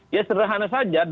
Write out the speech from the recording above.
ya sederhana saja